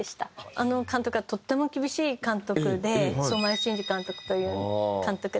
あの監督はとっても厳しい監督で相米慎二監督という監督で。